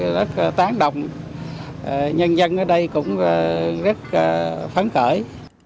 rất tán động nhân dân ở đây cũng rất phấn khởi